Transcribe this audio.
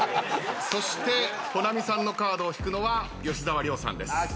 そして保奈美さんのカードを引くのは吉沢亮さんです。